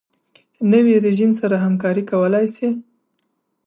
نوی رژیم سره همکاري کولای شي.